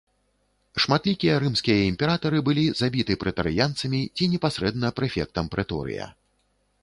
Шматлікія рымскія імператары былі забіты прэтарыянцамі ці непасрэдна прэфектам прэторыя.